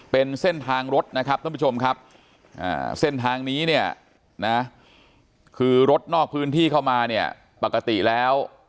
เป็นเส้นทางรถนะครับท่านผู้ชมครับเส้นทางนี้เนี่ยนะคือรถนอกพื้นที่เข้ามาเนี่ยปกติแล้ว